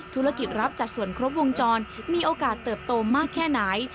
ธุรกิจรับจัดส่วนครบวงจรมีโอกาสเติบโตมากแค่ไหน